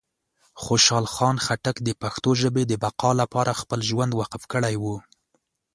خوشحال خان خټک د پښتو ژبې د بقا لپاره خپل ژوند وقف کړی و.